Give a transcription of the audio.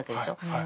はい。